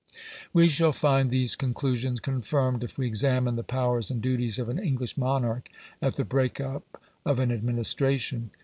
We shall find these conclusions confirmed if we examine the powers and duties of an English monarch at the break up of an administration.